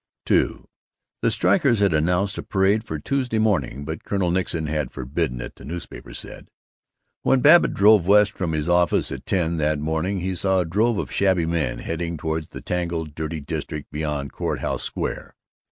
II The strikers had announced a parade for Tuesday morning, but Colonel Nixon had forbidden it, the newspapers said. When Babbitt drove west from his office at ten that morning, he saw a drove of shabby men heading toward the tangled, dirty district beyond Court House Square.